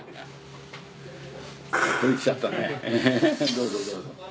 どうぞどうぞ。